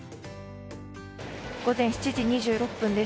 午前７時２６分です。